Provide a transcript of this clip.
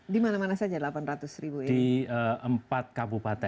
di mana mana saja delapan ratus ribu hektar gambut